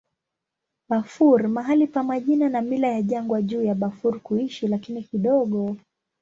Bafur mahali pa majina na mila ya jangwa juu ya Bafur kuishi, lakini kidogo.